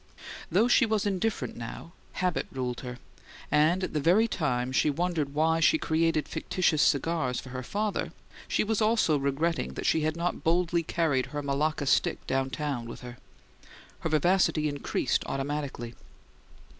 Though she was indifferent now, habit ruled her: and, at the very time she wondered why she created fictitious cigars for her father, she was also regretting that she had not boldly carried her Malacca stick down town with her. Her vivacity increased automatically.